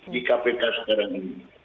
di kpk sekarang ini